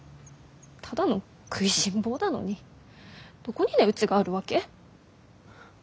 ただの食いしん坊だのにどこに値打ちがあるわけ？